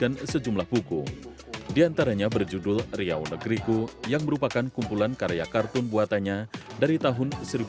nah saya memilih di kamar ya dalam dalam kamar kartun opini itu